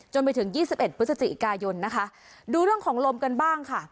ไปถึงยี่สิบเอ็ดพฤศจิกายนนะคะดูเรื่องของลมกันบ้างค่ะ